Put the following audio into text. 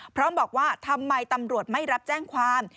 พร้อมบอกว่าทำไมตำรวจไม่รับแจ้งความ